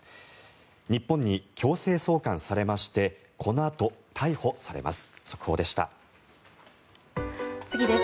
日本に強制送還されましてこのあと、逮捕されます。